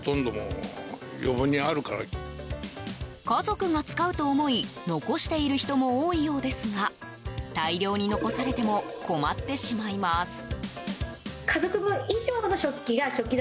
家族が使うと思い残している人も多いようですが大量に残されても困ってしまいます。